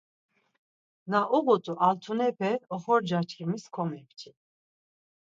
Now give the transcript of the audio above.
Na uğut̆u altunepe oxorca çkimis komepçi.